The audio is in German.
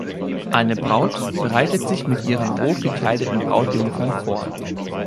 Eine Braut bereitet sich mit ihren rotgekleideten Brautjungfern vor.